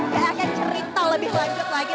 saya akan cerita lebih lanjut lagi